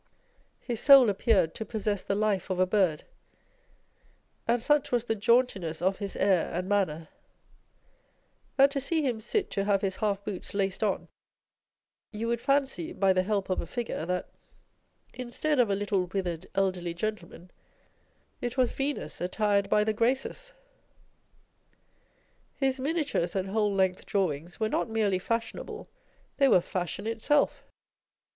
His soul appeared to possess the life of a bird ; and such was the jauntiness of his air and manner, that to see him sit to have his half boots laced on, you would fancy (by the help of a figure) that, instead of a little withered elderly gentleman, it was Venus attired by the Graces. His miniatures and whole length drawings were not merely fashionable â€" they were fashion itself.